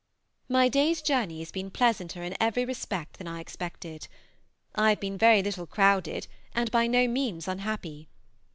My day's journey has been pleasanter in every respect than I expected. I have been very little crowded and by no means unhappy.